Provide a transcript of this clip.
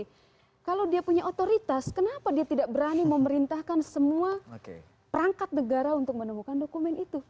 kalau dia punya otoritas kenapa dia tidak berani memerintahkan semua perangkat negara untuk menemukan dokumen itu